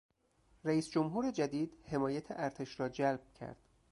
رییس جمهور جدید حمایت ارتش را جلب کرد.